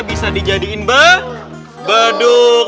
bisa dijadiin beduk